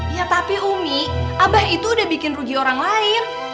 ya tapi umi abah itu udah bikin rugi orang lain